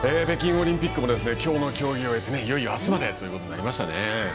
北京オリンピックもきょう終えていよいよあすまでということになりましたね。